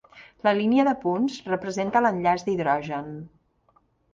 La línia de punts representa l'enllaç d'hidrogen.